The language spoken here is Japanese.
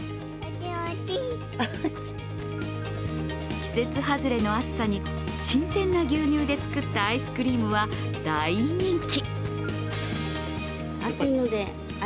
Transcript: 季節外れの暑さに新鮮な牛乳で作ったアイスクリームは大人気。